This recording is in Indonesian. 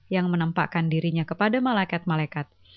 yang menampakkan dirinya kepada malekat malekat